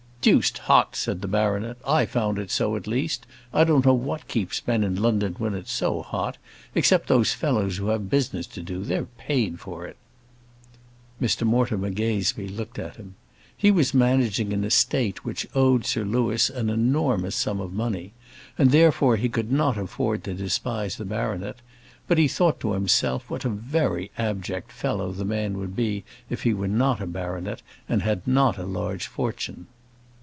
"Deuced hot," said the baronet. "I found it so, at least. I don't know what keeps men in London when it's so hot; except those fellows who have business to do: they're paid for it." Mr Mortimer Gazebee looked at him. He was managing an estate which owed Sir Louis an enormous sum of money, and, therefore, he could not afford to despise the baronet; but he thought to himself, what a very abject fellow the man would be if he were not a baronet, and had not a large fortune!